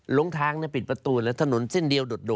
ลงทางปิดประตูแล้วถนนเส้นเดียวโดด